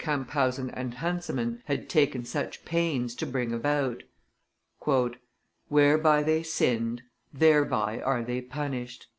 Camphausen and Hansemann had taken such pains to bring about. "Whereby they sinned, thereby are they punished."